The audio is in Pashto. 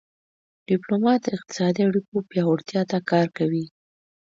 ډيپلومات د اقتصادي اړیکو پیاوړتیا ته کار کوي.